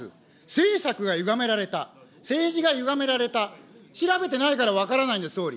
政策がゆがめられた、政治がゆがめられた、調べてないから分からないんです、総理。